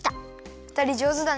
ふたりじょうずだね。